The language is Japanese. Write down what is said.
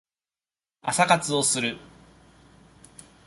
朝活をする